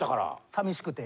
寂しくて？